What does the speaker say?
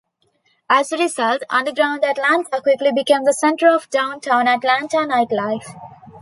As a result, Underground Atlanta quickly became the center of downtown Atlanta nightlife.